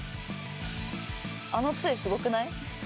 あの杖すごくない？